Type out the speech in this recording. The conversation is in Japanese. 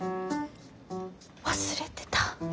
忘れてた。